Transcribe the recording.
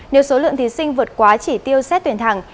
nếu số lượng thí sinh vượt quá chỉ tiêu xét tuyển thẳng